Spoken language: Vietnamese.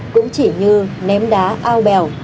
cũng chỉ như ném đá ao bèo